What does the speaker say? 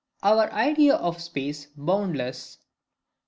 Our Idea of Space boundless.